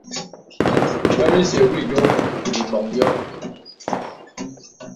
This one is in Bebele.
Yɔ̄m isɛ̂ wɔ ìyɔ̄ɔ̄ mə i bɔŋ yɔ̄.